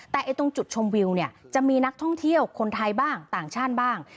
แต่ตรงจุดชมวิวเนี่ยจะมีนักท่องเที่ยวคนไทยบ้างต่างชาติบ้าง